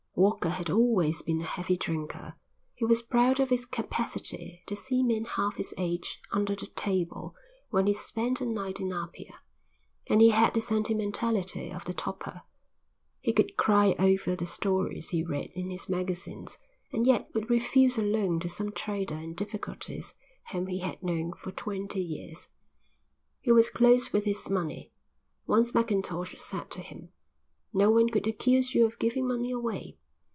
Walker had always been a heavy drinker, he was proud of his capacity to see men half his age under the table when he spent a night in Apia, and he had the sentimentality of the toper. He could cry over the stories he read in his magazines and yet would refuse a loan to some trader in difficulties whom he had known for twenty years. He was close with his money. Once Mackintosh said to him: "No one could accuse you of giving money away."